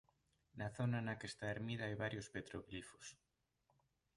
Na zona na que está ermida hai varios petróglifos.